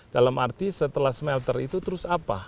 dalam arti setelah smelter itu terus apa